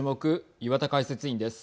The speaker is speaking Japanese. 岩田解説委員です。